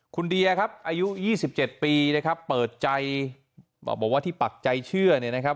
คุณเดียครับอายุ๒๗ปีนะครับเปิดใจบอกว่าที่ปักใจเชื่อเนี่ยนะครับ